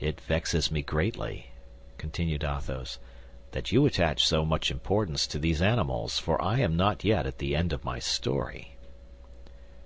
"It vexes me greatly," continued Athos, "that you attach so much importance to these animals, for I am not yet at the end of my story."